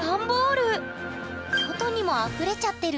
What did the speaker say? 外にもあふれちゃってる！